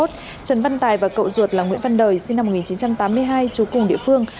trần văn tài và cậu ruột là nguyễn văn đời sinh năm một nghìn chín trăm tám mươi hai chú cùng địa phương